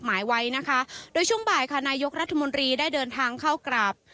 หมายไว้นะคะโดยช่วงบ่ายค่ะนายกรัฐมนตรีได้เดินทางเข้ากราบ